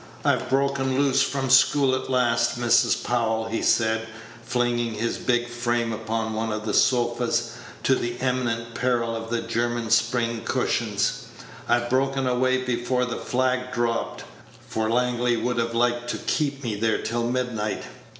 "I've broken loose from school at last, Mrs. Powell," he said, flinging his big frame upon one of the sofas, to the imminent peril of the German spring cushions; "I've broken away before the flag dropped, for Langley would have liked to keep me there till midnight.